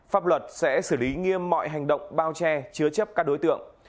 pháp luật sẽ xử lý nghiêm mọi hành động bao che chứa chấp các đối tượng